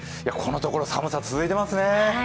このところ寒さ、続いてますね。